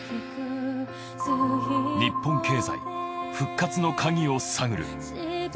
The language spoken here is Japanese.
ニッポン経済復活の鍵を探る。